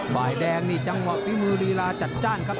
ฝ่ายแดงนี่จังหวะฝีมือลีลาจัดจ้านครับ